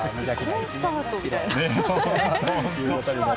コンサートみたいな。